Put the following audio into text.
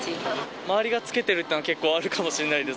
周りが着けてるっていうのが結構あるかもしれないです。